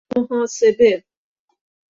محاسبه